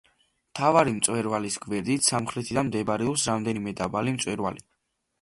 მთავარი მწვერვალის გვერდით, სამხრეთიდან მდებარეობს რამდენიმე დაბალი მწვერვალი.